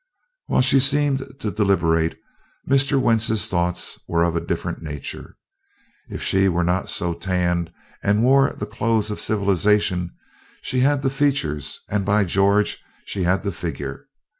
While she seemed to deliberate, Mr. Wentz's thoughts were of a different nature. If she were not so tanned and wore the clothes of civilization she had the features, and, by George! she had a figure!